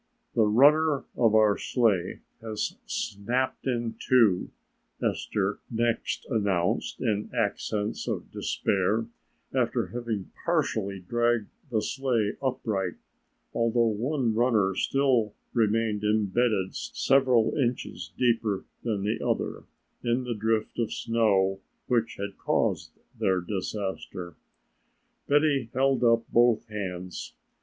"The runner of our sleigh has snapped in two," Esther next announced in accents of despair after having partially dragged the sleigh upright, although one runner still remained imbedded several inches deeper than the other in the drift of snow which had caused their disaster. Betty held up both hands.